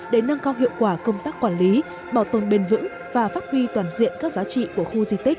để nâng cao hiệu quả công tác quản lý bảo tồn bền vững và phát huy toàn diện các giá trị của khu di tích